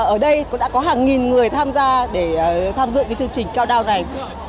ở đây cũng đã có hàng nghìn người tham gia để tham dự chương trình cao đao này